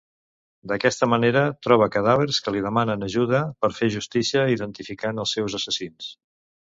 D'aquesta manera troba cadàvers que li demanen ajuda per fer justícia identificant els seus assassins.